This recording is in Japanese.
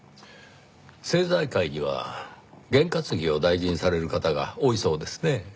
政財界には験担ぎを大事にされる方が多いそうですねぇ。